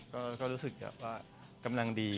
ก็รู้สึกแบบว่ากำลังดี